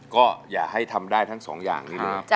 ก็อย่าให้ทำได้ทั้งสองอย่างนี้เลย